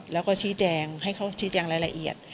แล้วก็ชี้แจงให้เขาชี้แจงรายละเอียด